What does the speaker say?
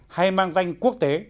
hay mang danh quốc tế